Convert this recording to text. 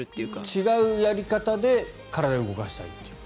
違うやり方で体を動かしたいという。